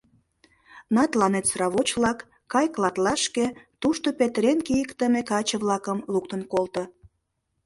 На тыланет сравоч-влак, кай клатлашке, тушто петырен кийыктыме каче-влакым луктын колто.